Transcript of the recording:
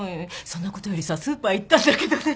そんなことよりさスーパー行ったんだけどね